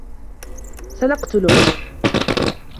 سنقتلك.